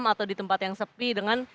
atau di tempat yang sepi dengan